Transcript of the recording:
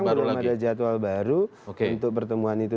sampai sekarang belum ada jadwal baru untuk pertemuan itu